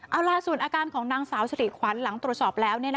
เอาล่ะส่วนอาการของนางสาวสิริขวัญหลังตรวจสอบแล้ว